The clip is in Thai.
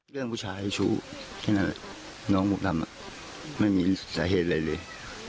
เรื่องผู้ชายชู้น้องมุกรัมไม่มีสาเหตุอะไรเลย